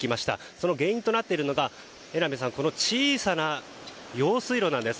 その原因となっているのがこの小さな用水路なんです。